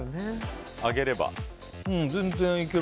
揚げれば？